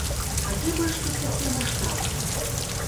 А дзе больш тут такія маштабы?